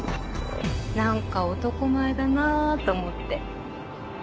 何か男前だなぁと思って。